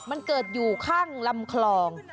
มันเกิดอยู่ข้างลำคลอง